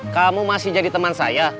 kamu masih jadi teman saya